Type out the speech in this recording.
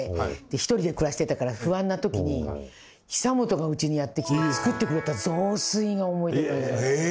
一人で暮らしてたから不安な時に久本がうちにやって来て作ってくれた雑炊が想い出の味。